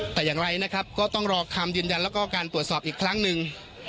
แต่อย่างไรนะครับก็ต้องรอคำยืนยันแล้วก็การตรวจสอบอีกครั้งหนึ่ง